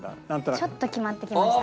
ちょっと決まってきました。